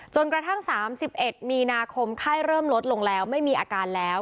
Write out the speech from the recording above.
จนกระทั่ง๓๑มีนาคมไข้เริ่มลดลงแล้วไม่มีอาการแล้ว